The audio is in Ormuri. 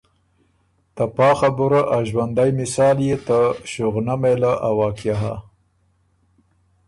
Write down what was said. ته پا خبُره ا ݫوندئ مثال يې ته ݭُغنۀ مېله ا واقعه هۀ